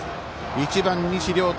１番、西稜太。